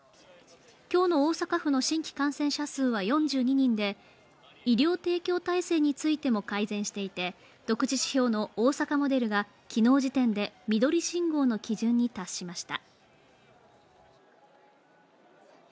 今日の大阪府の新規感染者数は４２人で医療提供体制についても改善していて、独自指標の大阪モデルが昨日時点で緑信号の基準に達しました。